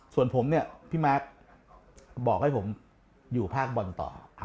ส่วนผมเนี่ยพี่มาร์คบอกให้ผมอยู่ภาคบอลต่อ